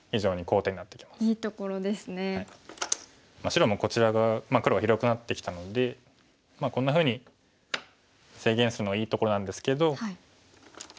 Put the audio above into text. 白もこちら側黒が広くなってきたのでこんなふうに制限するのはいいところなんですけど。